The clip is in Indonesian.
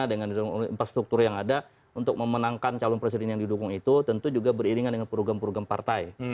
dengan infrastruktur yang ada untuk memenangkan calon presiden yang didukung itu tentu juga beriringan dengan program program partai